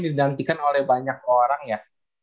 digantikan oleh banyak orang ya